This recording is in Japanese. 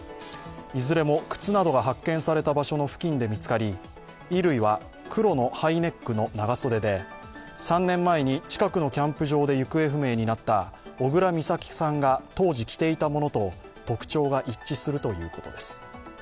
いずれも靴などが発見された場所の付近で見つかり、衣類は黒のハイネックの長袖で３年前に近くのキャンプ場で行方不明になった小倉美咲さんが当時着ていたものと特徴が一致するということです。